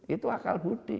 itu akal budi